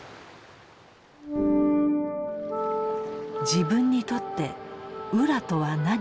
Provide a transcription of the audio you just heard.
自分にとって「浦」とは何か。